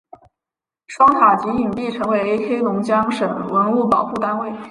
双塔及影壁成为黑龙江省文物保护单位。